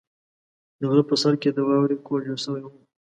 د غره په سر کې د واورې کور جوړ شوی و.